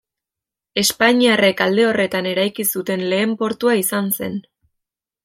Espainiarrek alde horretan eraiki zuten lehen portua izan zen.